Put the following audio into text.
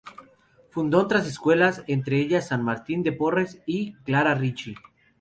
Fundó otras escuelas, entre ellas San Martín de Porres y Clara Ricci.